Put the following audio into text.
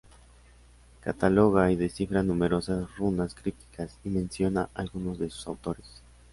Cataloga y descifra numerosas runas crípticas y menciona a algunos de sus autores.